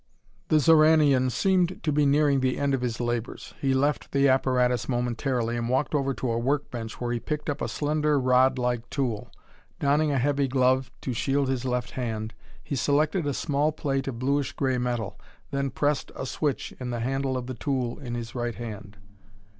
The Xoranian seemed to be nearing the end of his labors. He left the apparatus momentarily and walked over to a work bench where he picked up a slender rod like tool. Donning a heavy glove to shield his left hand, he selected a small plate of bluish gray metal, then pressed a switch in the handle of the tool in his right hand.